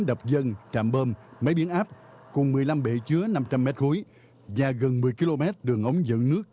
đập dân trạm bơm máy biến áp cùng một mươi năm bể chứa năm trăm linh mét khối và gần một mươi km đường ống dẫn nước